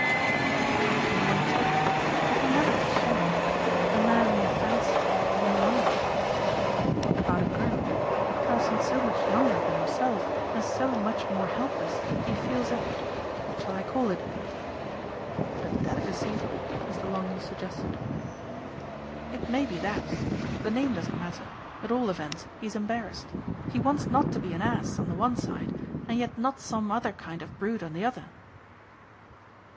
"How can one tell? One can never be sure. A man may fancy, may wonder; but about a girl, a person so much younger than himself and so much more helpless, he feels a what shall I call it?" "A delicacy?" Mr. Longdon suggested. "It may be that; the name doesn't matter; at all events he's embarrassed. He wants not to be an ass on the one side and yet not some other kind of brute on the other."